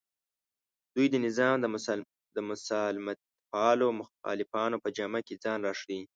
دوی د نظام د مسالمتپالو مخالفانو په جامه کې ځان راښیي